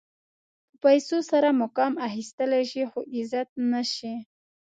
په پیسو سره مقام اخيستلی شې خو عزت نه شې.